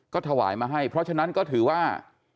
ก็ถวายมาให้เพราะฉะนั้นก็ถือว่า